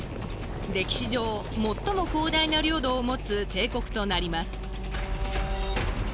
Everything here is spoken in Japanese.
歴史上もっとも広大な領土を持つ帝国となります。